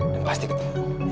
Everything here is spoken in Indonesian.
dan pasti ketemu ya